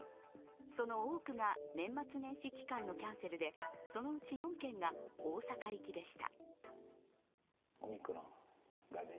その多くが年末年始期間のキャンセルで、そのうち４件が大阪行きでした。